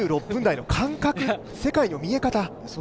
２６分台の感覚、世界の見え方。